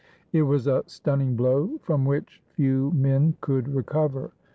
It was a stunning blow, from which few men could recover.